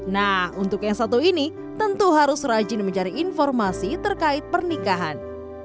nah untuk yang satu ini tentu harus rajin mencari informasi terkait pernikahan